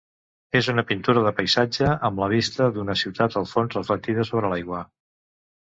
És una pintura de paisatge, amb la vista d'una ciutat al fons reflectida sobre l'aigua.